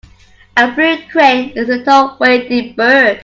A blue crane is a tall wading bird.